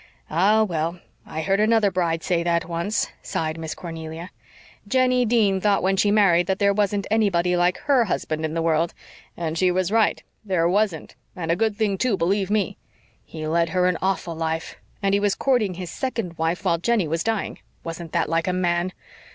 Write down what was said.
"Ah, well, I heard another bride say that once," sighed Miss Cornelia. "Jennie Dean thought when she married that there wasn't anybody like HER husband in the world. And she was right there wasn't! And a good thing, too, believe ME! He led her an awful life and he was courting his second wife while Jennie was dying. "Wasn't that like a man?